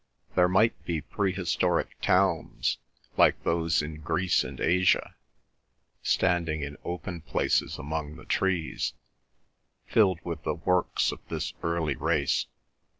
There might be prehistoric towns, like those in Greece and Asia, standing in open places among the trees, filled with the works of this early race.